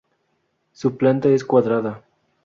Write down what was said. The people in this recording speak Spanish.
Su planta es cuadrada.